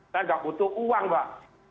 saya nggak butuh uang mbak